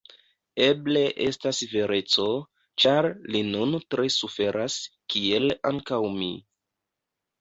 Eble estas vereco, ĉar li nun tre suferas, kiel ankaŭ mi.